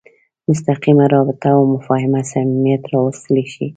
مستقیمه رابطه او مفاهمه صمیمیت راوستلی شي.